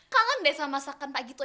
kalian desa masakan pak gito